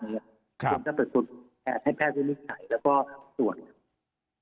ก็จะปรับสรุปให้แพทย์ผู้นิจฉัยแล้วก็ตรวจ